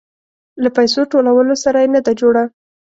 له پيسو ټولولو سره يې نه ده جوړه.